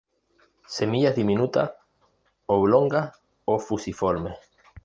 Semillas diminutas, oblongas o fusiformes.